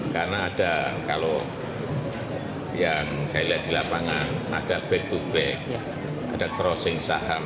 karena ada kalau yang saya lihat di lapangan ada back to back ada crossing saham